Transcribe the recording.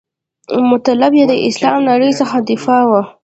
مطلب یې د اسلامي نړۍ څخه دفاع وه.